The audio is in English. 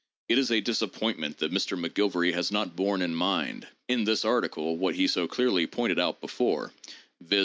It is a disap pointment that Mr. McGilvary has not borne in mind in this article what he so clearly pointed out before— viz.